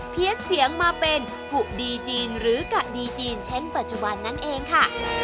เสียงมาเป็นกุดีจีนหรือกะดีจีนเช่นปัจจุบันนั่นเองค่ะ